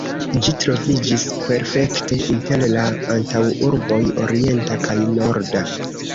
Ĝi troviĝis perfekte inter la antaŭurboj orienta kaj norda.